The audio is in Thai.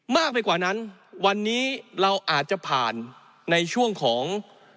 มากไปกว่านั้นวันนี้เราอาจจะผ่านในช่วงของ